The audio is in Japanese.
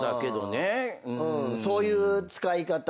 そういう使い方。